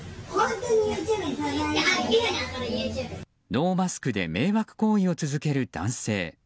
ノーマスクで迷惑行為を続ける男性。